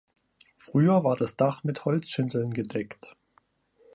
Früher war das Dach mit Holzschindeln gedeckt.